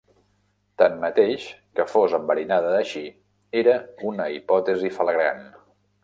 Tanmateix, que fos enverinada així era una hipòtesi flagrant.